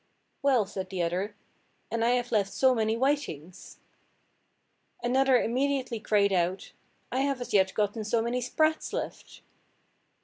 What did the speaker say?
"Well," said the other, "and I have left so many whitings." Another immediately cried out— "I have as yet gotten so many sprats left."